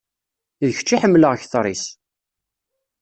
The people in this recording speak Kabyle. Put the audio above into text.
D kečč i ḥemmleɣ kteṛ-is.